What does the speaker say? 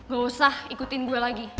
gak usah ikutin gue lagi